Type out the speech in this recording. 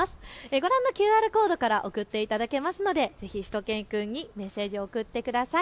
ご覧のＱＲコードから送っていただけますのでぜひしゅと犬くんにメッセージを送ってください。